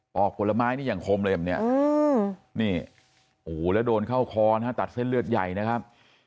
ปอกผลไม้นี่อย่างคมเลยมันเนี่ยแล้วโดนเข้าคอตัดเส้นเลือดใหญ่นะครับ